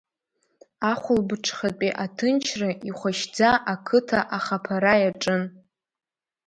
Ахәылбыҽхатәи аҭынчра ихәашьӡа ақыҭа ахаԥара иаҿын.